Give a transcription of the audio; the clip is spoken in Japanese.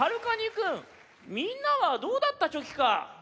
カニくんみんなはどうだったチョキか？